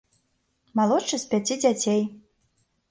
Малодшы з пяці дзяцей.